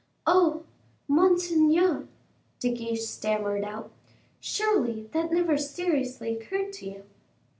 "Oh! monseigneur," De Guiche stammered out; "surely, that never seriously occurred to you."